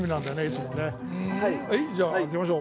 じゃあ開けましょう。